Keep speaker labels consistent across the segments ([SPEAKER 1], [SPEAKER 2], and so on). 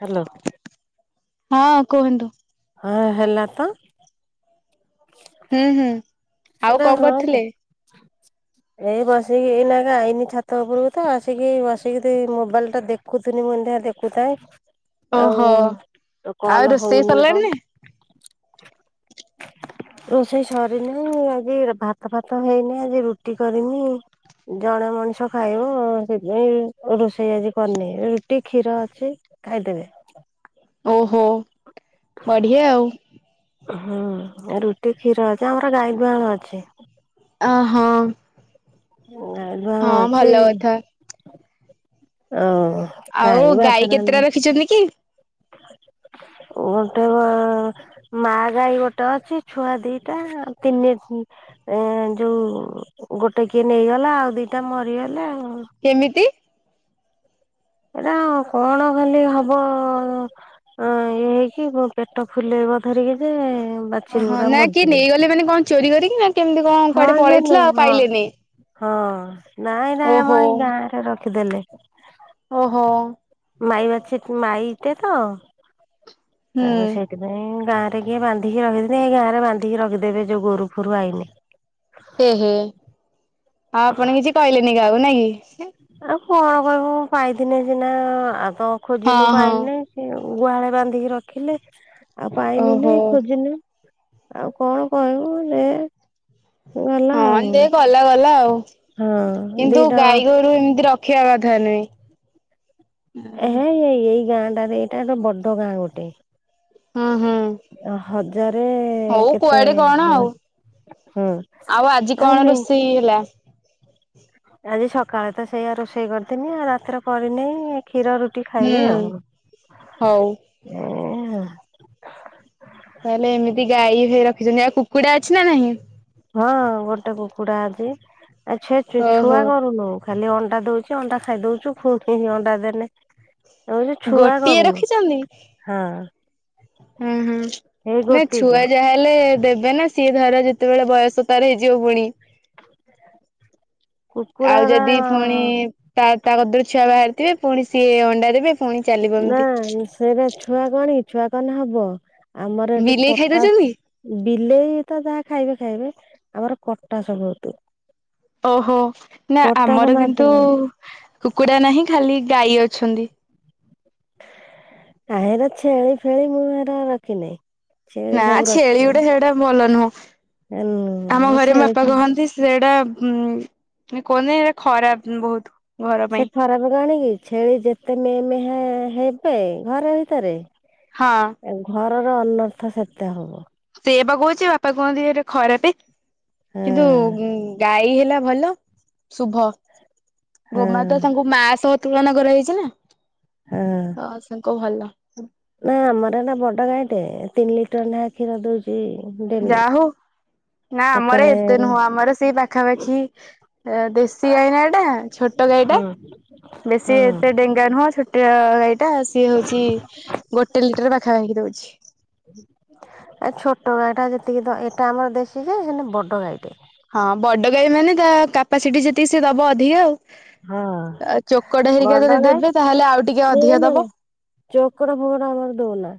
[SPEAKER 1] Hello.
[SPEAKER 2] ହଁ କୁହନ୍ତୁ।
[SPEAKER 1] ହଁ ହେଲା ତ।
[SPEAKER 2] ହୁଁ ହୁଁ।
[SPEAKER 1] ଏ
[SPEAKER 2] ଆଉ
[SPEAKER 1] ଟା
[SPEAKER 2] କଣ
[SPEAKER 1] ହ ଉନିୁ।
[SPEAKER 2] କରୁଥିଲେ?
[SPEAKER 1] ଏଇ ବସିକି ଏଇନା କେ ଆଇନି ଛାତ ଉପରକୁ ତ ଆସିକି ବସିକି ମୋବାଇଲ ଟା ଦେଖ ଦେଖୁଥୁନି ମୁଁ କଇନି ଦେଖିବା ଦେଖୁଥାଏ
[SPEAKER 2] ଓହୋ।
[SPEAKER 1] ଆଉ
[SPEAKER 2] ଆଉ
[SPEAKER 1] କଲ
[SPEAKER 2] ରୋଷେଇ
[SPEAKER 1] ହଉନି
[SPEAKER 2] ସରିଲାଣି
[SPEAKER 1] କଣ।
[SPEAKER 2] ନା?
[SPEAKER 1] ରୋଷେଇ ସରୀନି। ମୁଁ ଆଜି ଭାତ ଫାତ ହେଇନି ଆଜି ରୁଟି କରିମି। ଜଣେ ମଣିଷ ଖାଇବ ସେଥିପାଇଁ ରୋଷେ ସେଇ ଆଜି କରିନି ରୁଟି କ୍ଷୀର ଅଛି ଖାଇଦେବେ।
[SPEAKER 2] ଓହୋ ବଢିଆ ଆଉ।
[SPEAKER 1] ହୁଁ ଆଉ ରୁଟି କ୍ଷୀର ଅଛି ଆମର ଗାଈ ଦୁହାଣ ଅଛି।
[SPEAKER 2] ଅହଁ।
[SPEAKER 1] ଆଁ ଗୁହାଳ ଅଛି
[SPEAKER 2] ଭଲ କଥା
[SPEAKER 1] ଆଉ
[SPEAKER 2] ଆଉ
[SPEAKER 1] କାଇଁ
[SPEAKER 2] ଗାଈ
[SPEAKER 1] ଭାତ
[SPEAKER 2] କେତେଟା
[SPEAKER 1] ରାନ୍ଧୁ
[SPEAKER 2] ରଖିଛନ୍ତି କି?
[SPEAKER 1] ଗେଟେ ପା ମାଆ ଗାଈ ଗୋଟେ ଅଛି ଛୁଆ ଦିଟା ତିନି ଏ ଯୋଉ ଗୋଟେ କିଏ ନେଇଗଲା ଆଉ ଦିଟା ମରିଗଲେ ଆ
[SPEAKER 2] କେମିତି?
[SPEAKER 1] ଏଇଟା କଣ ଖାଲି ହବ ଅଁ ଇଏ ହେଇକି ମୋ ପେଟ ଫୁଲେଇବ ଧରିକି ଯେ ବା
[SPEAKER 2] ଓହୋ ନାଇ କିଏ ନେଇଗଲେ ମାନେ କଣ ଚୋରି କରିକି ନା କେମତି କଣ
[SPEAKER 1] ହଁ
[SPEAKER 2] କୁଆଡେ
[SPEAKER 1] ଆଜ୍ଞା ନେ
[SPEAKER 2] ପଳେଇଥିଲା ଆଉ
[SPEAKER 1] ହଁ
[SPEAKER 2] ପାଇଲେନି।
[SPEAKER 1] ହଁ ନାଇଁ ନାଇଁ ଆମ
[SPEAKER 2] ଓହୋ।
[SPEAKER 1] ହେଇ ଗାଁରେ ରଖିଦେଲେ।
[SPEAKER 2] ଓ।
[SPEAKER 1] ମାଇ ବାଛୁରି ମାଇଟେ ତ।
[SPEAKER 2] ହୁଁ
[SPEAKER 1] ତାକୁ ସେଥିପାଇଁ ଗାଁରେ କିଏ ବାନ୍ଧିକି ରଖଦେଲେ ଏଇ ଗାଁରେ ବାନ୍ଧିକି ରଖିଦେବେ ଯୋଉ ଗୋରୁ ଫୁରୁ ଆଇନେ।
[SPEAKER 2] ଏହେ ଆଉ ଆପଣ କିଛି କହିଲେନେଇ କାହାକୁ ନାଇଁ କି।
[SPEAKER 1] ଆଉ କଣ କହିବୁ ପାଇଥିନେ ସିନା ଆଉ ତ
[SPEAKER 2] ହଁ
[SPEAKER 1] ଖୋଜିନୁ
[SPEAKER 2] ହଁ
[SPEAKER 1] ପାଇଲୁ ନେଇ। ଗୁହାଳେ ବାନ୍ଧିକି ରଖିଲେ ଆଉ ପାଇନୁ
[SPEAKER 2] ଓହୋ।
[SPEAKER 1] ନେଇ ଖୋଜିନୁ। ଆଉ କଣ କହିମୁ ଦେ
[SPEAKER 2] ହଁ ଦେ ଗଲା ଗଲା ଆଉ
[SPEAKER 1] ହଁ
[SPEAKER 2] କିନ୍ତୁ
[SPEAKER 1] ଦିଟା
[SPEAKER 2] ଗାଈଗୋରୁ ଏମିତି ରଖିବା କଥା ନୁହେଁ।
[SPEAKER 1] ହେ ଏ ଏଇ ଗାଁଟାରେ ଏଟା ଗୋଟେ ବଡ ଗାଁ ଗୋଟେ।
[SPEAKER 2] ହୁଁ ହୁଁ
[SPEAKER 1] ହଜାରେ
[SPEAKER 2] ହଉ
[SPEAKER 1] କେତେ
[SPEAKER 2] କୁଆଡେ କଣ ଆଉ
[SPEAKER 1] ଘର ହଁ
[SPEAKER 2] ଆଉ ଆଜି
[SPEAKER 1] ଆ
[SPEAKER 2] କଣ
[SPEAKER 1] ନେଇ
[SPEAKER 2] ରୋଷେଇ ହେଲା?
[SPEAKER 1] ଆଜି ସକାଳେ ତ ସେଇଆ ରୋଷେଇ କରିଥିନି ଆଉ ରାତିରେ କରିନେଇ କ୍ଷୀର ରୁଟି ଖାଇବେ ଆଉ।
[SPEAKER 2] ହୋଉ।
[SPEAKER 1] ଏ
[SPEAKER 2] ତାହେଲେ ଏମିତି ଗାଈ ହେ ରଖିଛନ୍ତି ଆଉ କୁକୁଡା ଅଛି ନା ନାହିଁ?
[SPEAKER 1] ହଁ ଗୋଟେ କୁକୁଡା ଅଛି ଆ ଛେ-ଛୁ-ଛୁଆ
[SPEAKER 2] ଓହୋ
[SPEAKER 1] କରୁନୋଉ। ଖାଲି ଅଣ୍ଡା ଦୋଉଚି ଅଣ୍ଡା ଖାଇଦୋଉଚୁ ଫୁଣ ଫେଣି ଅଣ୍ଡା ଦେନେ
[SPEAKER 2] ଗୋଟିଏ ରଖିଚନ୍ତି।
[SPEAKER 1] ହଁ
[SPEAKER 2] ଅଁ ହଁ
[SPEAKER 1] ଏଇ
[SPEAKER 2] ନାଇ
[SPEAKER 1] ଗୋଟିକ
[SPEAKER 2] ଛୁଆ ଯାହା ହେଲେ ଦେବେନା ସିଏ ଧର ଯେତେବେଳେ ବୟସ ତାର ହେଇଯିବ ପୁଣି ଆଉ
[SPEAKER 1] କୁକୁଡାର
[SPEAKER 2] ଯଦି ଫୁଣି ତା ତା କତୁରୁ ଛୁଆ ବାହାରିଥିବେ ପୁଣି ସିଏ ଅଣ୍ଡା ଦେବେ। ପୁଣି ଚାଲିବ
[SPEAKER 1] ନା
[SPEAKER 2] ଏମିତି
[SPEAKER 1] ସେରା ଛୁଆ କଣକି ଛୁଆ କନେ ହବ। ଆମର ଏଠି
[SPEAKER 2] ବିଲେଇ
[SPEAKER 1] କଟା
[SPEAKER 2] ଖାଇଦଉଛନ୍ତି?
[SPEAKER 1] ବିଲେଇ ତ ଯାହା ଖାଇବେ ଖାଇବେ ଆମର କଟାସ ବୋହୁତୁ।
[SPEAKER 2] ଓହୋ ନା ଆମର କିନ୍ତୁ
[SPEAKER 1] ମାରିଦେବେ
[SPEAKER 2] କୁକୁଡ଼ା ନାହିଁ ଖାଲି ଗାଈ ଅଛନ୍ତି।
[SPEAKER 1] ଆ ହେରା ଛେଳି ଫେଳି ମୁଁ ଏରା ରଖିନେଇ।
[SPEAKER 2] ନା ଛେଳି ଗୋଟେ ହେଡା ଭଲ ନୁହଁ ଆମ
[SPEAKER 1] ହୁଁ
[SPEAKER 2] ଘରେ ମୋ ବାପା
[SPEAKER 1] ଛେଳି
[SPEAKER 2] କହନ୍ ନ୍ତି ସେଡା ଉଁ ନାଇ କୁହନ୍ତି ଏଡା ଖରାପ ବୋହୁତ।
[SPEAKER 1] ସେ ଖରାପ କଣ କିି ଛେଳି ଯେତେ ମେ ମେ ହେ-ହେବେ ଘର ଭିତରେ
[SPEAKER 2] ହଁ।
[SPEAKER 1] ଆଉ ଘରର ଅନର୍ଥ ସେତେ ହବ।
[SPEAKER 2] ସେୟାପା କୋହୁଚି ବାପା କୁହନ୍ତି ହେରା ଖରାପେ।
[SPEAKER 1] ହଁ
[SPEAKER 2] କିନ୍ତୁ ଗୁଁ-ଗାଈ ହେଲା ଭଲ ଶୁଭ।
[SPEAKER 1] ହଁ
[SPEAKER 2] ଗୋମାତା ତାଙ୍କୁ ମାଆ ସହ ତୁଳନା କରାଯାଇଚି ନା।
[SPEAKER 1] ହଁ।
[SPEAKER 2] ହଁ ସେଙ୍କୁ ଭଲ।
[SPEAKER 1] ନା ଆମର ଏଟା ବଡ ଗାଈ ଟେ ତିନି ଲିଟର ନା କ୍ଷୀର ଦୋଉଚି
[SPEAKER 2] ଯା ହୋଉ ନା ଆମର ଏତେ ନୁହଁ ଆମର ସେଇ ପାଖାପାଖି ଦେଶୀ ଗାଈ ନା ଏଟା ଛୋଟ ଗାଈ ଟା
[SPEAKER 1] ହଁ
[SPEAKER 2] ବେଶୀ ଏତେ ଡେ ସେଟା ନୁହଁ ସେଟା ଛୋଟଆ ଗାଈ ଟା ସିଏ ହୋଉଛି ଗୋଟେ ଲିଟର ପାଖା ପାଖି ଦୋଉଛି।
[SPEAKER 1] ଏ ଛୋଟ ଗାଈ ଟା ଯେତିକି ଦ ଏଇଟା ଆମର ଦେଶି ଯେ ସେ ବଡ ଗାଈଟେ।
[SPEAKER 2] ହଁ ବଡ଼ ଗାଈ ମାନେ ତା କାପାସିଟି ଯେତିକି ସେ ଦବ ଅଧିକା ଆଉ।
[SPEAKER 1] ହଁ
[SPEAKER 2] ଆଉ ଚୋକଡ଼ ହେରିକା
[SPEAKER 1] ବଡ
[SPEAKER 2] ଯଦି
[SPEAKER 1] ଗାଈ
[SPEAKER 2] ଦେବେ ତାହେଲେ ଆଉ ଟିକେ ଅଧିକ ଦବ।
[SPEAKER 1] ଚକୋଡ ଫୋକଡ ଏ ଆମର ଦୋଉନ।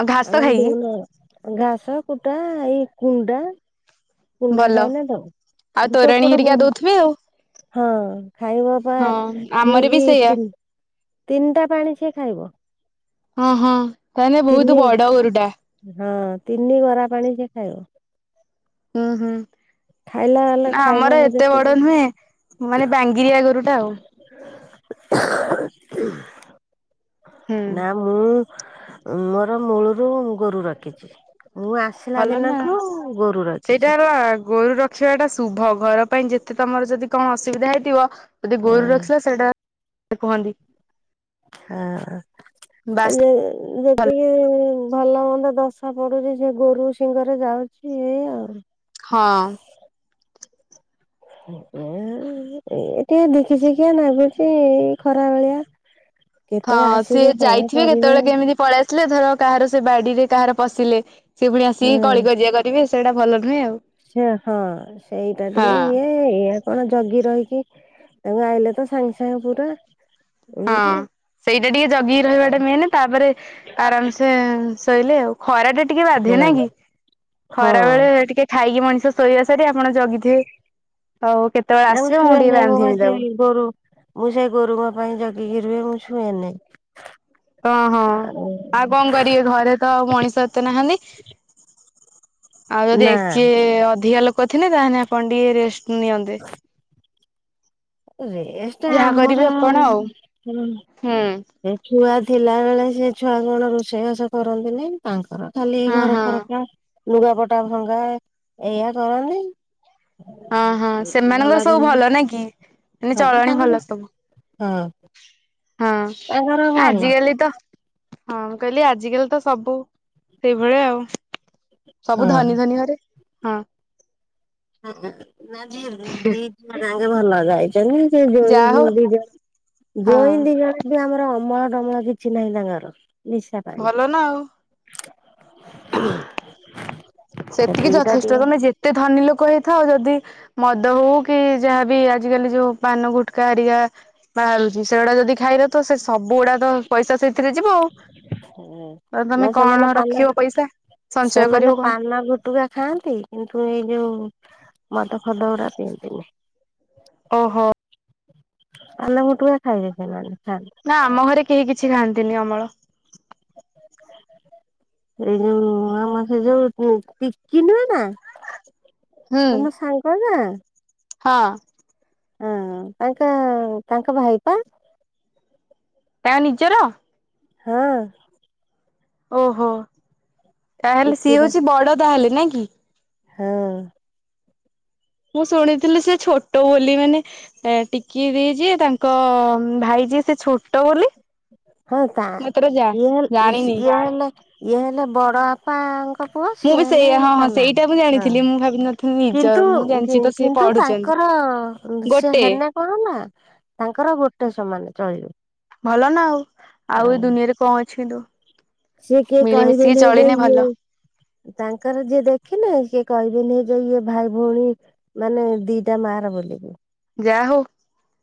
[SPEAKER 2] ଆଉ ଘାସ
[SPEAKER 1] ଆମ କୁ
[SPEAKER 2] ଖାଇକି
[SPEAKER 1] ଦେଇନ ଘାସ କୁଟା ଏଇ କୁଣ୍ଡା। କୁଣ୍ଡା
[SPEAKER 2] ଭଲ
[SPEAKER 1] ଖାଇଲା ତୋ ଆଉ
[SPEAKER 2] ତୋରାଣୀ
[SPEAKER 1] ଚୋକଡ ଫୋକଡ
[SPEAKER 2] ହେରିକା
[SPEAKER 1] ବହୁ
[SPEAKER 2] ଦଉଥିବେ ଆଉ।
[SPEAKER 1] ହଁ ଖାଇବା ପା
[SPEAKER 2] ହଁ ଆମର
[SPEAKER 1] ଠିକ୍
[SPEAKER 2] ବି ସେଇଆ
[SPEAKER 1] ତିନ ତିନିଟା ପାଣି ସିଏ ଖାଇବ।
[SPEAKER 2] ହଁ ହଁ ତାଲେ ବୋହୁତୁ ହୁତ
[SPEAKER 1] ତିନି
[SPEAKER 2] ବଡ଼ ଗରୁଟା।
[SPEAKER 1] ହଁ ତିନି ଗରା ପାଣି ସେ ଖାଇବ।
[SPEAKER 2] ହୁଁ ହୁଁ।
[SPEAKER 1] ଖାଇଲା ହେଲେ
[SPEAKER 2] ନା
[SPEAKER 1] ଖାଇବ
[SPEAKER 2] ଆମର ଏତେ ବଡ
[SPEAKER 1] ଯେତିକି
[SPEAKER 2] ନୁହେଁ ମାନେ ବାଙ୍ଗିରିଆ ରୁ ଗୋଡ଼ନା ଗ ଆଉ। ହୁଁ
[SPEAKER 1] ନା ମୁଁ ମୋର ମୂଳରୁ ଗୋରୁ ରଖିଛି ମୁଁ ଆସି
[SPEAKER 2] ଭଲ ନା ସେଇଟା ହେଲା ଗୋରୁ ର ରଖିବା ଟା ଶୁଭ ଘର ପାଇଁ ଯେତେ ତମର ଯଦି କଣ ଅସୁବିଧା ହେଇଥିବ ଯଦି
[SPEAKER 1] ହଁ।
[SPEAKER 2] ଗୋରୁ ରଖିଲ ସେଇଟା ତ କୁହନ୍ତି।
[SPEAKER 1] ହଁ ଏ
[SPEAKER 2] ବାସ୍
[SPEAKER 1] ଯୋଉ ଗୋ ଇଏ ଭଲ ମନ୍ଦ ଦଶା ପଡୁଛି ସେ ଗୋରୁ ସିଙ୍ଗରେ ଯାଉଛି ଏଇ ଆଉ।
[SPEAKER 2] ହଁ।
[SPEAKER 1] ଏ ଟେ ଦେଖିଛିିକିଆ ନାଗୁଛି ଖରା ବେଳେ।
[SPEAKER 2] ହଁ ସିଏ ଯାଇଥିବେ
[SPEAKER 1] କରିବେ
[SPEAKER 2] କେତେବେଳେ କେମିତି ପଳେଇ ଆସିଲେ ଧର କାହାର ସେ ବାଡିରେ କାହାର ପଶିଲେ ସେ ପୁଣି ଆସିକି
[SPEAKER 1] ହୁଁ।
[SPEAKER 2] କଳିଗଜିଆ ସେ ସେଇଟା ଭଲ ନୁହେଁ ଆଉ।
[SPEAKER 1] ସେ ହଁ ସେଇଟା ଟିକେ
[SPEAKER 2] ହଁ।
[SPEAKER 1] ଇଏ। ଏଇା କଣ ଜଗି ରହିକି ତାଙ୍କୁ ଆଇଲେ ତ ସାଙ୍ଗେ ସାଙ୍ଗେ ପୁରା
[SPEAKER 2] ହଁ
[SPEAKER 1] ଏମିତି
[SPEAKER 2] ସେଇଟା ଟିକେ ଜଗି ରହିବା ଟା ମେନ୍ ତାପରେ ଆରାମସେ ଶୋଇଲେ ଆଉ। ଖରା ଟା ଟିକେ ବାଧ୍ୟେ ନାଇଁ କି
[SPEAKER 1] ହଁ
[SPEAKER 2] ଖରା ବେଳେ ଟିକେ ଖାଇକି ମଣିଷ ଶୋଇବା ସାରି ଆପଣ ଜଗିଥିବେ ଆଉ କେ
[SPEAKER 1] ନା ମୁଁ ଶୁଏନି ମୁଁ ପା ସେ ନିଦ ରୁ ମୁଁ ସେଇ ଗୋରୁଙ୍କ ପାଇଁ ଜଗିକି ରୁହେ ମୁଁ ଶୁଏନି।
[SPEAKER 2] ଓହୋ
[SPEAKER 1] ଆଉ
[SPEAKER 2] ଆଉ କଣ କରିବେ ଘରେ ତ ଆଉ ମଣିଷ ଏତେ ନାହାନ୍ତି। ଆଉ ଯଦି
[SPEAKER 1] ନା
[SPEAKER 2] ଏଥିଏ ଅଧିକ ଲୋକ ଥିଲେ ତାହେଲେ ଆପଣ ଟିକେ ରେଷ୍ଟ ନିଅନ୍ତେ।
[SPEAKER 1] ରେଷ୍ଟେ
[SPEAKER 2] ଯାହା କରିବେ
[SPEAKER 1] ଆମର
[SPEAKER 2] ଆପଣ
[SPEAKER 1] ହୁଁ।
[SPEAKER 2] ଆଉ। ହୁଁ।
[SPEAKER 1] ସେ ଖେଳା ଥିଲା ବେଳେ ସେ ଛୁଆ କଣ ରୋଷେଇବାସ କରନ୍ତିନି। ତାଙ୍କର ଖାଲି
[SPEAKER 2] ହଁ
[SPEAKER 1] ଘର
[SPEAKER 2] ହଁ
[SPEAKER 1] ଫର ପାଇଁ ଲୁଗାପଟା ଭଙ୍ଗା ଏଇୟା କରନ୍ତିି।
[SPEAKER 2] ହଁ ହଁ ସେମାନଙ୍କର ସବୁ
[SPEAKER 1] ଦିନରୁ
[SPEAKER 2] ଭଲ ନା କି ମାନେ
[SPEAKER 1] ହଁ
[SPEAKER 2] ଚଳଣି
[SPEAKER 1] ତାଙ୍କର
[SPEAKER 2] ଭଲ ସବୁ।
[SPEAKER 1] ହଁ
[SPEAKER 2] ହଁ
[SPEAKER 1] ତାଙ୍କର ଭଲ
[SPEAKER 2] ଆଜି କାଲି ତ ହଁ ମୁଁ କହିଲି ଆଜି କାଲି ତ ସବୁ ସେଇଭଳିଆ ଆଉ। ସବୁ ଧନୀ
[SPEAKER 1] ହଁ।
[SPEAKER 2] ଧନୀ ଘରେ ହଁ।
[SPEAKER 1] ନା ଝିଅ ଦି ଜଣ ଆକ ଭଲ ରେ ଆଉ।
[SPEAKER 2] ଯାହା ହଉ
[SPEAKER 1] [unintelligible]
[SPEAKER 2] ହଁ
[SPEAKER 1] ବିହା ଘର ଅମଳ ଢମଳ କିଛି ନାହିଁ ତାଙ୍କର ନିଶା ପାଣି।
[SPEAKER 2] ଭଲ ନା ଆଉ। ସେତିକି
[SPEAKER 1] ସେତିକିଟା
[SPEAKER 2] ଯଥେଷ୍ଟ ମାନେ
[SPEAKER 1] ଟିକେ
[SPEAKER 2] ଯେତେ ଧନୀ ଲୋକ ହେଇଥାଉ ଯଦି ମଦ ହଉ କି ଯାହାବି ଆଜିକାଲି ଯୋଉ ପାନ ଗୁଟକା ହରିକା। ବାହାରୁଛି ସେଗୁଡା ଯଦି ଖାଇଲ ତ ସେ ସବୁ ଗୁଡା ତ ପଇସା ସେଇଥିରେ ଯିବ ଆଉ।
[SPEAKER 1] ଉଁ
[SPEAKER 2] ଆଉ ତମେ
[SPEAKER 1] ନା ସେମାନେ
[SPEAKER 2] କଣ
[SPEAKER 1] ପାନ
[SPEAKER 2] ରଖିବ ପଇସା ସଞ୍ଚୟ କରିବ
[SPEAKER 1] ସେମାନେ
[SPEAKER 2] କଣ
[SPEAKER 1] ପାନ ଗୁଟୁକା ଖାଆନ୍ତି କିନ୍ତୁ ଏଇ ଯୋଉ ମଦ ଫଦ ଗୁରା ପିଅନ୍ତିନି।
[SPEAKER 2] ଓହୋ।
[SPEAKER 1] ପାନ, ଗୁଟୁଖା ଖାଇବେ ସେମାନେ ଖାଆନ୍ତି।
[SPEAKER 2] ନା ଆମ ଘରେ କେହି କିଛି ଖାଆନ୍ତିନି ଅମଳ।
[SPEAKER 1] ଏଇ ଯୋଉ ଆମର ସେ ଯୋଉ ଟିକି ନୁହେଁ ନା
[SPEAKER 2] ହୁଁ
[SPEAKER 1] ତମ ସାଙ୍ଗ ବା।
[SPEAKER 2] ହଁ।
[SPEAKER 1] ହଁ ତାଙ୍କ ତାଙ୍କ ଭାଇ ପା।
[SPEAKER 2] ତାର ନିଜର?
[SPEAKER 1] ହଁ।
[SPEAKER 2] ଓହୋ ତାହେଲେ
[SPEAKER 1] ଟିକି
[SPEAKER 2] ସିଏ
[SPEAKER 1] ବା
[SPEAKER 2] ହଉଛି ବଡ ତାହେଲେ ନାଇଁ କି?
[SPEAKER 1] ହଁ।
[SPEAKER 2] ମୁଁ ଶୁଣିଥିଲି ସେ ଛୋଟ ବୋଲି ମାନେ ଏ ଟିକି ଦେଇ ଯିଏ ତାଙ୍କ ଭାଇ ଯିଏ ସେ ଛୋଟ ବୋଲି।
[SPEAKER 1] ହଁ ତା
[SPEAKER 2] ମୁଁ ଏଥର ଯା
[SPEAKER 1] ଇଏ ହେଲେ ଇସ
[SPEAKER 2] ଜାଣିନି।
[SPEAKER 1] ଇଏ ହେଲେ ଇଏ ହେଲେ ବଡ ବାପାଙ୍କ ପୁଅ
[SPEAKER 2] ମୁଁ
[SPEAKER 1] ସିଏ
[SPEAKER 2] ବି
[SPEAKER 1] ହେଲେ
[SPEAKER 2] ସେଇଆ ହଁ ହଁ
[SPEAKER 1] ସାନ
[SPEAKER 2] ସେଇଟା ମୁଁ
[SPEAKER 1] ବାପା ହଁ
[SPEAKER 2] ଜାଣିଥିଲି ମୁଁ ଭାବିନଥିଲି
[SPEAKER 1] କିନ୍ତୁ।
[SPEAKER 2] ନିଜର ମୁଁ ଜାଣିଛି ତ ସିଏ
[SPEAKER 1] କିନ୍ତୁ
[SPEAKER 2] ପଢୁଛନ୍ତି।
[SPEAKER 1] ତାଙ୍କର ସିଏ
[SPEAKER 2] ଗୋଟେ।
[SPEAKER 1] ହେନ କଣ ହେଲା ତାଙ୍କର ଗୋଟେ ସମାନ ଚଳିବେ।
[SPEAKER 2] ଭଲ ନା ଆଉ ଆଉ ଏ ଦୁନିଆରେ କଣ ଅଛି କିନ୍ତୁ।
[SPEAKER 1] ସିଏ କିଏ
[SPEAKER 2] ମିଳିମିଶିକି
[SPEAKER 1] କହିବେନି ଯେ
[SPEAKER 2] ଚଳିଲେ ଭଲ।
[SPEAKER 1] ଇଏ ତାଙ୍କର ଯିଏ ଦେଖିଲେ କିଏ କହିବେନି ଯେ ଇଏ ଭାଇ ଭଉଣୀ। ମାନେ ଦିଟା ମାର ବୋଲିକି।
[SPEAKER 2] ଯା ହଉ।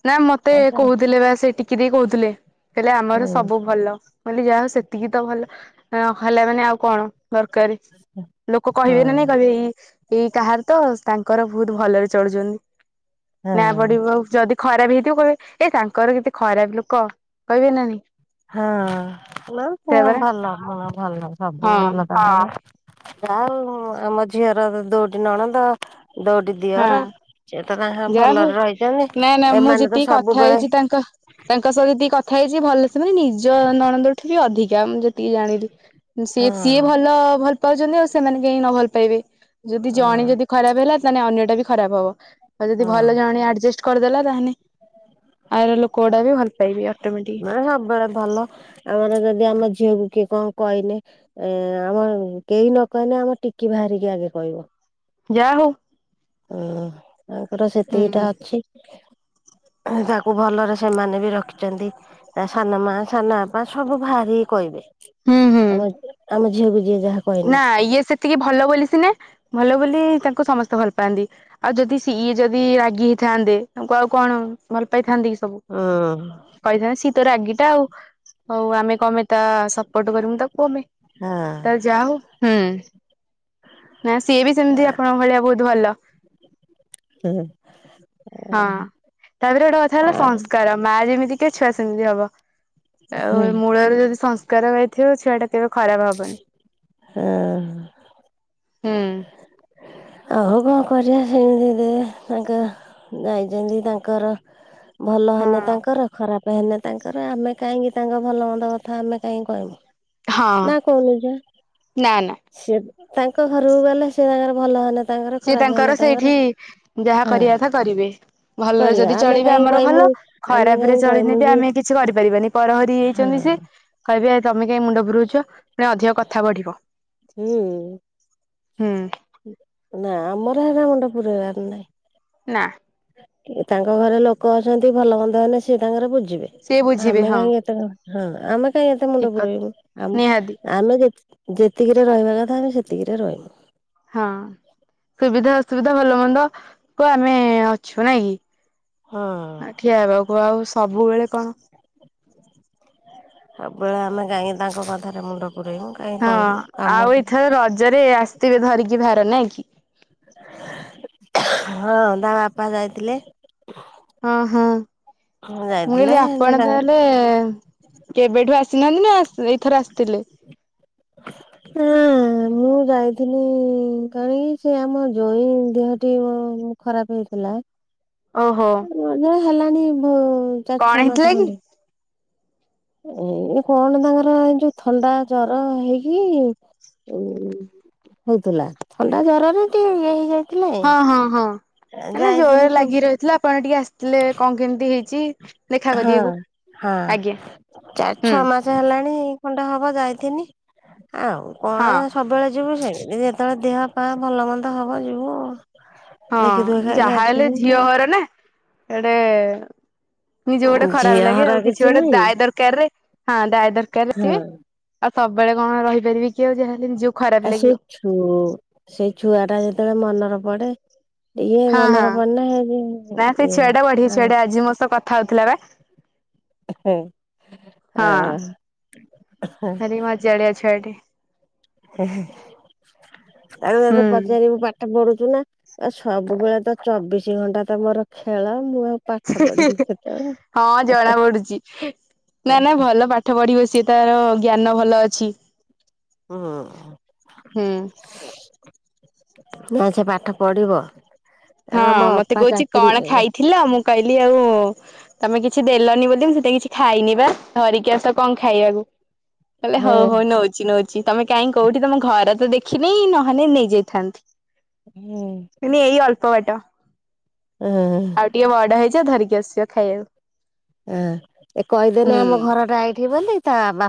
[SPEAKER 2] ନା ମତେ
[SPEAKER 1] ତାଙ୍କର
[SPEAKER 2] କହୁଥିଲେ ବା ସେ ଟିକି ଦେଇ କହୁଥିଲେ କହିଲେ ଆମର
[SPEAKER 1] ହଁ
[SPEAKER 2] ସବୁ ଭଲ। କହିଲି ଯାହା ହଉ ସେତିକି ତ ଭଲ ନହେଲେ ମାନେ ଆଉ କଣ? ଦରକାର, ଲୋକ
[SPEAKER 1] ହଁ
[SPEAKER 2] କହିବେ ନା ନାଇଁ କହିବେ ଏଇ ଏଇ କାହାର ତ ତାଙ୍କର ବହୁତ ଭଲରେ ଚଳୁଛନ୍ତି। ନା
[SPEAKER 1] ହଁ।
[SPEAKER 2] ପଡିବ ଯଦି ଖରାପ ହେଇଥିବ କହିବେ ଏ ତାଙ୍କର କେତେ ଖରାପ ଲୋକ କହିବେ ନା ନାହିଁ।
[SPEAKER 1] ହଁ ନା ଭଲ ହଁ ଭଲ ସବୁ
[SPEAKER 2] ହଁ
[SPEAKER 1] ଭଲ ତାଙ୍କର। ଯା ଆଉ ଆମ ଝିଅର ଦୁଇଟି ନଣନ୍ଦ। ଦୁଇଟି
[SPEAKER 2] ହଁ
[SPEAKER 1] ଦିଅର ସେ ତ ତାଙ୍କର
[SPEAKER 2] ଯାହା ହଉ
[SPEAKER 1] ଭଲରେ ରହିଛନ୍ତି
[SPEAKER 2] ନା ନା ମୁଁ
[SPEAKER 1] ଏମାନେ ତ
[SPEAKER 2] ଯେତିକି କଥା
[SPEAKER 1] ସବୁବେଳେ
[SPEAKER 2] ହେଇଛି ତାଙ୍କ ତାଙ୍କ ସହିତ ଯେତିକି କଥା ହେଇଛି ଭଲ ସେମାନେ ନିଜ ନଣନ୍ଦଠୁ ବି ଅଧିକା ମୁଁ ଯେତିକି ଜାଣିଲି। ସି
[SPEAKER 1] ହଁ।
[SPEAKER 2] ସିଏ ଭଲ ଭଲ ପାଉଛନ୍ତି ଆଉ ସେମାନେ କାହିଁ ନ ଭଲ ପାଇବେ ଯଦି ଜଣେ
[SPEAKER 1] ହଁ
[SPEAKER 2] ଯଦି ଖରାପ ହେଲା ତାହେଲେ ଅନ୍ୟଟା ବି ଖରାପ ହବ ଆଉ ଯଦି
[SPEAKER 1] ହଁ
[SPEAKER 2] ଭଲ ଜଣେ ଆଡଜଷ୍ଟ କରିଦେଲା ତାହେଲେ ଆର ଲୋକ ଗୁଡାକ ବି ଭଲ ପାଇବେ
[SPEAKER 1] ନା
[SPEAKER 2] ଅଟୋମେଟିକ।
[SPEAKER 1] ସବୁବେଳେ ଭଲ। ଆମର ଯଦି ଆମ ଝିଅକୁ କିଏ କଣ କହିଲେ? ଏ ଆମ କେହି ନ କହିଲେ ଆମ ଟିକି ଭାଆରି କି ଆଗେ କହିବ।
[SPEAKER 2] ଯା ହଉ।
[SPEAKER 1] ହଁ ତାଙ୍କର
[SPEAKER 2] ହୁଁ
[SPEAKER 1] ସେତିକିଟା ଅଛି। ତାକୁ ଭଲରେ ସେମାନେ ବି ରଖିଛନ୍ତି। ତା ସାନ ମା, ସାନ ବାପା ସବୁ ଭାଆରି କି କହିବେ।
[SPEAKER 2] ହୁଁ ହୁଁ
[SPEAKER 1] ଆମ ଆମ ଝିଅକୁ ଯିଏ ଯାହା କହିଲେ।
[SPEAKER 2] ନା ଇଏ ସେତିକି ଭଲ ବୋଲି ସିନା ଭଲ ବୋଲି ତାଙ୍କୁ ସମସ୍ତେ ଭଲ ପାଆନ୍ତି। ଆଉ ଯଦି ସିଏ ଯଦି ରାଗି ହେଇଥାନ୍ତେ ତାଙ୍କୁ ଆଉ କଣ ଭଲ ପାଇଥାନ୍ତେ କି।
[SPEAKER 1] ହଁ
[SPEAKER 2] କହିଥାନା ସିଏ ତ ରାଗିଟା ଆଉ ହଉ ଆମେ କମେ ତା ସପୋର୍ଟ କରିମୁ ତାକୁ ଆମେ।
[SPEAKER 1] ହଁ।
[SPEAKER 2] ଯା ହଉ ନା ସିଏ ବି ସେମିତି ଆପଣଙ୍କ ଭଳିଆ ବହୁତ ଭଲ।
[SPEAKER 1] ହୁଁ।
[SPEAKER 2] ହଁ ତାପରେ ଗୋଟେ କଥା ହେଲା ସଂସ୍କାର ମା ଯେମିତିକା ଛୁଆ ସେମତି ହବ। ଆଉ ମୂଳରେ ଯଦି ସଂସ୍କାର ପାଇଥିବ ଛୁଆ ଟା କେବେ ଖରାପ ହବନି।
[SPEAKER 1] ହୁଁ ହୁଁ
[SPEAKER 2] ହୁଁ
[SPEAKER 1] ଆଉ କଣ କରିବା ସେମିତି ଦେ ତାଙ୍କ ଯାଇଛନ୍ତି ତାଙ୍କର ଭଲ ହେଲେ
[SPEAKER 2] ହଁ
[SPEAKER 1] ତାଙ୍କର ଖରାପ୍ ପ ହେଲେ ତାଙ୍କର ଆମେ କାହିଁକି ତାଙ୍କ ଭଲ ମନ୍ଦ କଥା ଆମେ କାହିଁକି କହିବୁ।
[SPEAKER 2] ହଁ
[SPEAKER 1] ନା କହୁନୁ ଝିଅ?
[SPEAKER 2] ନା ନା
[SPEAKER 1] ସେ ତାଙ୍କ ଘରକୁ ଗଲେ ସେ ତାଙ୍କର ଭଲ ହେଲା
[SPEAKER 2] ସିଏ ତାଙ୍କର ସେଇଠି ଯାହା
[SPEAKER 1] ହଁ
[SPEAKER 2] କରିବା କଥା କରିବେ। ଭଲରେ
[SPEAKER 1] କରିବା
[SPEAKER 2] ଯଦି
[SPEAKER 1] ଆମେ
[SPEAKER 2] ଚଳିବେ
[SPEAKER 1] କାହିଁ
[SPEAKER 2] ଆମର
[SPEAKER 1] କହିମୁ
[SPEAKER 2] ଭଲ
[SPEAKER 1] ଆମେ
[SPEAKER 2] ଖରାପ ରେ
[SPEAKER 1] କାହିଁ
[SPEAKER 2] ଚଳିନେ
[SPEAKER 1] କହିମୁ
[SPEAKER 2] ବି
[SPEAKER 1] କି
[SPEAKER 2] ଆମେ କିଛି କରିପାରିବାନି। ପରହରି
[SPEAKER 1] ହଁ
[SPEAKER 2] ହେଇଛନ୍ତି ଯେ କହିବେ ଆ ତମେ କାଇଁ ମୁଣ୍ଡ ଫୁରୋଉଛ ପୁଣି ଅଧିକ କଥା ବଢ଼ିବ।
[SPEAKER 1] ହୁଁ
[SPEAKER 2] ହୁଁ
[SPEAKER 1] ନା ଆମର ହେରା ମୁଣ୍ଡ ପୁରେଇବାର ନାଇଁ।
[SPEAKER 2] ନା।
[SPEAKER 1] ତାଙ୍କ ଘରେ ଲୋକ ଅଛନ୍ତି ଭଲ ମନ୍ଦ ହେଲେ ସେ ତାଙ୍କର ବୁଜିବେ।
[SPEAKER 2] ସିଏ ବୁଝିବେ
[SPEAKER 1] ଆମେ
[SPEAKER 2] ହଁ
[SPEAKER 1] କାହିଁକି ଏତେ ମୁଁ ହଁ ଆମେ କାହିଁ ଏତେ ମୁଣ୍ଡ
[SPEAKER 2] ଠିକ କଥା
[SPEAKER 1] ପୁରେଇବୁ।
[SPEAKER 2] ନିହାତି
[SPEAKER 1] ଆମେ ଯେତ୍ ଯେତିକିରେ ରହିବା କଥା ଆମେ ସେତିକିରେ ରହିବୁ।
[SPEAKER 2] ହଁ ସୁବିଧା ଅସୁବିଧା ଭଲ ମନ୍ଦ କୁ ଆମେ ଅଛୁ ନାଇଁ କି?
[SPEAKER 1] ହଁ।
[SPEAKER 2] ଠିଆ ହେବାକୁ ଆଉ ସବୁବେଳେ କଣ?
[SPEAKER 1] ସବୁବେଳେ ଆମେ କାହିଁକି ତାଙ୍କ କଥାରେ ମୁଣ୍ଡ ପୁରେଇବୁ। କାହିଁକି
[SPEAKER 2] ହଁ
[SPEAKER 1] କହିବୁ କାମ
[SPEAKER 2] ଆଉ ଏଇଥର ରଜରେ ଆସିଥିବେ ଧରିକି ଭାର ନାଇଁ କି?
[SPEAKER 1] ହଁ ତା ବାପା ଯାଇଥିଲେ।
[SPEAKER 2] ହଁ ହଁ ମୁଁ
[SPEAKER 1] ଯାଇଥିଲେ
[SPEAKER 2] କହିଲି ଆପଣ
[SPEAKER 1] ତାଙ୍କର
[SPEAKER 2] ତାହାଲେ କେବେଠୁ ଆସିନାହାନ୍ତି ନା ଏଇଥର ଆସିଥିଲେ
[SPEAKER 1] [unintelligible] ମୁଁ ଯାଇଥିଲି କଣି ସେ ଆମ ଜଇଁ ଦେହଟି ଖରାପ ହେଇଥିଲା।
[SPEAKER 2] ଓହୋ।
[SPEAKER 1] [unintelligible] ହେଲାଣି ବ ଚାରି
[SPEAKER 2] କଣ
[SPEAKER 1] ଛଅ
[SPEAKER 2] ହେଇଥିଲା
[SPEAKER 1] ମାସେ
[SPEAKER 2] କି
[SPEAKER 1] ଖଣ୍ଡେ। ଏଇ କଣ ତାଙ୍କର ଏଇ ଯୋଉ ଥଣ୍ଡା ଜର ହେଇକି ଉ ହଉଥିଲା ଥଣ୍ଡା ଜ୍ୱରରେ ଟିକେଇଏ ହେଇଯାଇ
[SPEAKER 2] ହଁ ହଁ ହଁ ମାନେ ଜୋର
[SPEAKER 1] ଶୁଣ
[SPEAKER 2] ଲାଗି ରହିଥିଲା ଆପଣ ଟିକେ ଆସିଥିଲେ କଣ କେମିତି ହେଇଛି? ଦେଖା
[SPEAKER 1] ହଁ
[SPEAKER 2] କରିବାକୁ
[SPEAKER 1] ହଁ
[SPEAKER 2] ଆଜ୍ଞା
[SPEAKER 1] ଚାରି
[SPEAKER 2] ହୁଁ
[SPEAKER 1] ଛଅ ମାସ ସେ ହେଲାଣି ଖଣ୍ଡେ ହବ ଯାଇଥିନି ଆଉ କଣ
[SPEAKER 2] ହଁ
[SPEAKER 1] ସବୁବେଳେ ଯିବୁ ସେ ଯେତେବେଳେ ଦେହ ପା ଭଲ ମନ୍ଦ ହବ ଯିବୁ। ଦେଖି ଦୁଖା
[SPEAKER 2] ହଁ
[SPEAKER 1] ଖାଇକି
[SPEAKER 2] ଯାହା ହେଲେ
[SPEAKER 1] ଆସିବୁ
[SPEAKER 2] ଝିଅ ଘର ନା ଏଟେ ନିଜକୁ ଗୋଟେ ଖରାପ
[SPEAKER 1] ଝିଅ
[SPEAKER 2] ଲାଗେ
[SPEAKER 1] ହର
[SPEAKER 2] ଆଉ କିଛି ଗୋଟେ
[SPEAKER 1] ନାହିଁ
[SPEAKER 2] ଦାୟ ଦରକାର ରେ ହଁ ଦାୟ ଦରକାର ରେ
[SPEAKER 1] ହଁ
[SPEAKER 2] ସିଏ ଆଉ ସବୁବେଳେ କଣ ରହିପାରିବେ କି ଆଉ ଯାହା ହେଲେ ନିଜ
[SPEAKER 1] ଆ ସେଇ ଛୁ ସେଇ ଛୁଆ ଟା ଯେତେବେଳେ ମନର ପଡ଼େ
[SPEAKER 2] ହଁ ହଁ ନା ସେଇ ଛୁଆ ଟା ବଢିଆ ଛୁଆ
[SPEAKER 1] [unintelligible]
[SPEAKER 2] ଟା ଆଜି ମୋ ସହ କ ଥା ହଉଥିଲା ବା। ହଁ
[SPEAKER 1] [unintelligible]
[SPEAKER 2] ଜାଳିଆ ଛୁଆଟେ।
[SPEAKER 1] ହୁଁ ହୁଁ ଆଉ ତାକୁ
[SPEAKER 2] ହୁଁ।
[SPEAKER 1] ପଚାରିବୁ ପା ଠ ପଢୁଚୁ ନା ଆ ସବୁବେଳେ ତ ଚବିଶି ଘଣ୍ଟା ତ ମୋର ଖେଳ ମୁଁ ଆଉ ପାଠ ପଢିକି କେତେବେଳେ?
[SPEAKER 2] ହଁ ଜଣା ପଡୁଛି। ନା ନା ଭଲ ପାଠ ପଢ଼ିବ ସିଏ ତାର ଜ୍ଞାନ ଭଲ ଅଛି।
[SPEAKER 1] ହୁଁ
[SPEAKER 2] ହୁଁ।
[SPEAKER 1] ନାଇଁ ସେ ପାଠ ପଢ଼ିବ।
[SPEAKER 2] ହଁ ମତେ କହୁଛି କଣ ଖାଇଥିଲ ମୁଁ କହିଲି ଆଉ ତମେ କିଛି ଦେଲନି ବୋଲି ମୁଁ ସେଥିପାଇଁ କିଛି ଖାଇନି ବା ଧରିକି ଆସ କଣ ଖାଇବାକୁ। କହିଲେ
[SPEAKER 1] ହେଁ
[SPEAKER 2] ହଉ ହଉ ନଉଛି ନଉଛି ତମେ କାଇଁ କୋଉଠି ତମ ଘର ତ ଦେଖିନି ନହେଲେ ନେଇଯାଇଥାନ୍ତି।
[SPEAKER 1] ହୁଁ।
[SPEAKER 2] କହିଲି ଏଇ ଅଳ୍ପବାଟ।
[SPEAKER 1] ଉଁ ହୁଁ।
[SPEAKER 2] ଆଉ ଟିକେ ବଡ଼ ହେଇଯାଅ ଧରିକି ଆସିବ ଖାଇବାକୁ।
[SPEAKER 1] ହଁ ଏ କହିଦେନେ
[SPEAKER 2] ହୁଁ
[SPEAKER 1] ଆମ ଘରଟା ଏଇଠି ବୋଲି ତା ବା